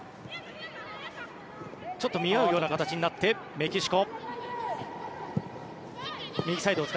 ちょっと見合うような形になってメキシコ。